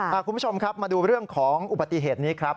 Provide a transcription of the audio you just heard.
คุณผู้ชมครับมาดูเรื่องของอุบัติเหตุนี้ครับ